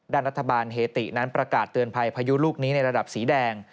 ด้านรัฐบาลเฮตินั้นประกาศเตือนภัยพายุลูกนี้ในระดับสีแดง